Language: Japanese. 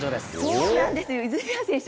そうなんですよ、泉谷選手